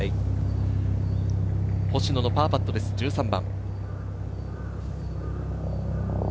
星野のパーパットです、１３番。